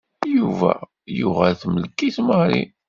Yuba yuɣal temmlek-it Mary.